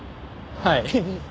はい。